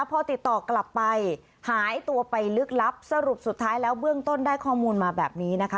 พอติดต่อกลับไปหายตัวไปลึกลับสรุปสุดท้ายแล้วเบื้องต้นได้ข้อมูลมาแบบนี้นะคะ